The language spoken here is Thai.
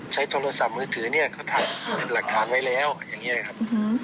ใช้โทรศัพท์มือถือเนี่ยเขาถ่ายหลักฐานไว้แล้วอย่างนี้ครับ